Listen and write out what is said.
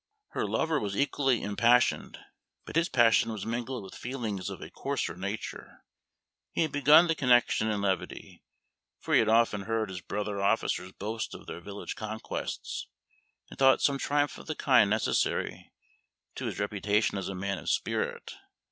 Her lover was equally impassioned, but his passion was mingled with feelings of a coarser nature. He had begun the connection in levity, for he had often heard his brother officers boast of their village conquests, and thought some triumph of the kind necessary to his reputation as a man of spirit.